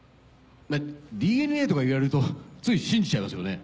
まぁＤＮＡとか言われるとつい信じちゃいますよね。